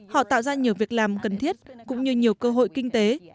họ tạo ra nhiều việc làm cần thiết cũng như nhiều cơ hội kinh tế